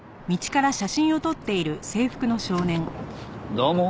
どうも。